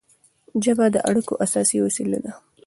ژبه د اړیکو اساسي وسیله ده.